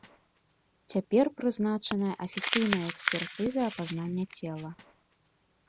Цяпер прызначаная афіцыйная экспертыза апазнання цела.